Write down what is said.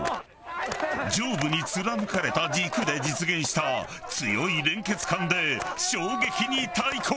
上部に貫かれた軸で実現した強い連結管で衝撃に対抗！